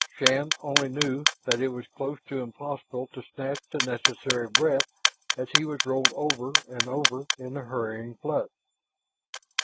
Shann only knew that it was close to impossible to snatch the necessary breath as he was rolled over and over in the hurrying flood.